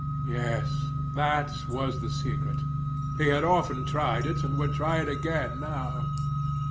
Yes, that was the secret. He had often tried it, and would try it again now.